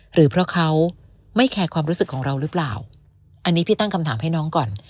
หรือเพราะเขาไม่แคร์ความรู้สึกของเราหรือเปล่าอันนี้พี่ตั้งคำถามให้น้องก่อน